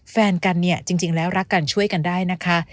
แฟนกันเนี่ยจริงแล้วรักกันช่วยกันได้นะคะ